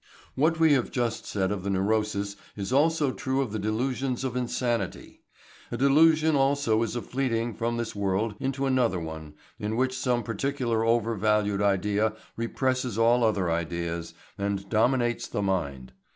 What we have just said of the neurosis is also true of the delusions of insanity. A delusion also is a fleeing from this world into another one in which some particular overvalued idea represses all other ideas and dominates the mind.